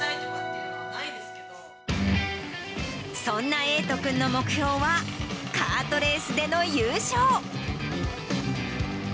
そんな瑛斗くんの目標は、カートレースでの優勝。